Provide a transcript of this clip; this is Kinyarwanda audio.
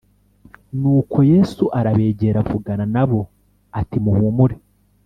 Nuko Yesu arabegera avugana na bo ati muhumure